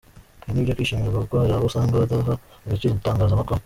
Ibi ni ibyo kwishimirwa kuko hari abo usanga badaha agaciro itangazamakuru.